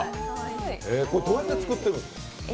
これ、どうやって作ってるんですか？